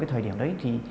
thời điểm đấy